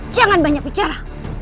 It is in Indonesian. jangan banyak bicara